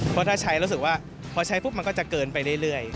เพราะถ้าใช้รู้สึกว่าพอใช้ปุ๊บมันก็จะเกินไปเรื่อย